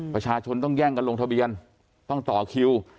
ประชาชนต้องแย่งกันลงทะเบียนต้องต่อคิว